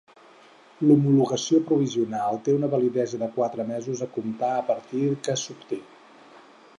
L'homologació provisional té una validesa de quatre mesos a comptar a partir que s'obté.